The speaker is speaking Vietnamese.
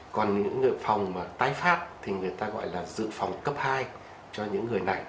còn những người phòng mà tái phát thì người ta gọi là dự phòng cấp hai cho những người này